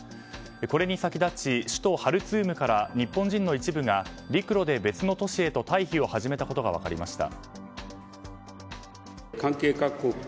これに先立ち首都ハルツームから日本人の一部が陸路で別の都市へと退避を始めたことが分かりました。